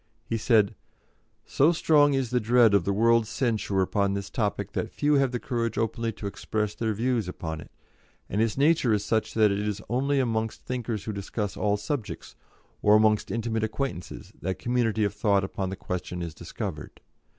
He said: "So strong is the dread of the world's censure upon this topic that few have the courage openly to express their views upon it; and its nature is such that it is only amongst thinkers who discuss all subjects, or amongst intimate acquaintances, that community of thought upon the question is discovered.